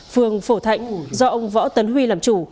phường phổ thạnh do ông võ tấn huy làm chủ